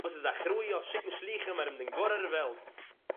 וואָס איז אחראי אויף שיקן שלוחים אַרום דער גאָרער וועלט